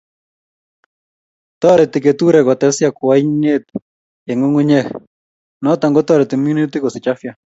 Toreti keturek kotes yakwaiyet eng ngungunyek noto kotoreti minutik kosich afya